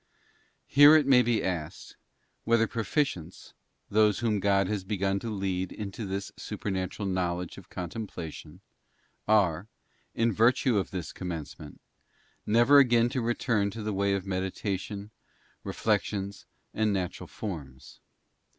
: Here it may be asked, whether proficients, those whom God has begun to lead into this supernatural knowledge of con templation, are, in virtue of this commencement, never again to return to the way of meditation, reflections, and natural forms?